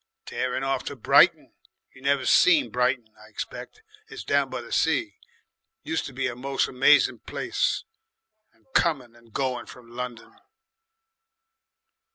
"Tearin' off to Brighton you never seen Brighton, I expect it's down by the sea, used to be a moce 'mazing place and coming and going from London."